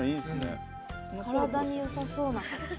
体によさそうな感じ。